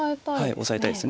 オサえたいです。